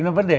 nó vấn đề